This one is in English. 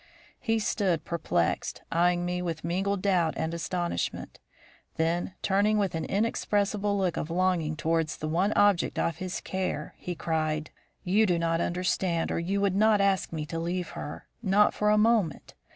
He stood perplexed, eyeing me with mingled doubt and astonishment; then, turning with an inexpressible look of longing towards the one object of his care, he cried: "You do not understand or you would not ask me to leave her, not for a moment.